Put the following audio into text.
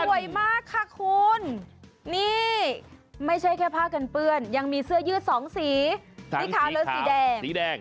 สวยมากค่ะคุณนี่ไม่ใช่แค่ผ้ากันเปื้อนยังมีเสื้อยืด๒สีทั้งสีขาวและสีแดง